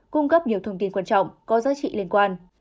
cung cấp nhiều thông tin quan trọng có giá trị liên quan